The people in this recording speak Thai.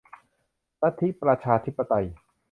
ลัทธิประชาธิปไตย